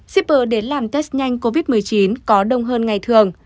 shipper đến làm test nhanh covid một mươi chín có đông hơn ngày thường